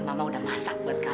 mama udah masak buat kamu